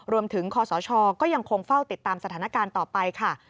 คศก็ยังคงเฝ้าติดตามสถานการณ์ต่อไปค่ะ